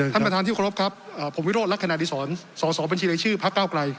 ท่านประธานที่ครบครับผมวิโรธรักษณะดิสรสสบชภก